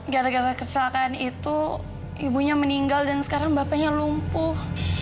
gara gara kecelakaan itu ibunya meninggal dan sekarang bapaknya lumpuh